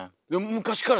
昔から。